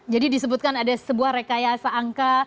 jadi disebutkan ada sebuah rekayasa angka